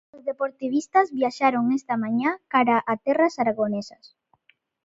Os deportivistas viaxaron esta mañá cara a terras aragonesas.